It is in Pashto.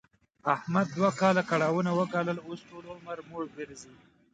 احمد دوه کاله کړاوونه و ګالل، اوس ټول عمر موړ ګرځي.